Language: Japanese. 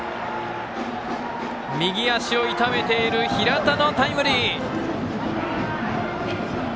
右足を痛めている平田のタイムリー。